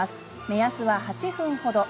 目安は８分ほど。